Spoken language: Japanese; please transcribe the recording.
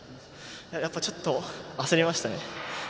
やっぱりちょっと焦りましたね。